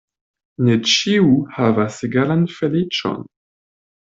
Ne ĉiu havas egalan feliĉon.